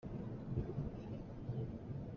Na ngan a fah ahcun sibawi chim tuah.